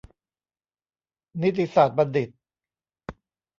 นิติศาสตร์บัณฑิต